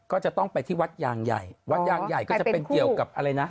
ก็จะต้องไปที่วัดยางใหญ่วัดยางใหญ่ก็จะเป็นเกี่ยวกับอะไรนะ